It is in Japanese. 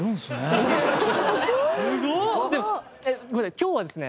今日はですね